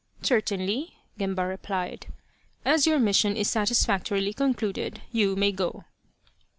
" Certainly," Gemba replied, " as your mission is satisfactorily concluded, you may go."